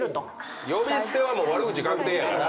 呼び捨ては悪口確定やから。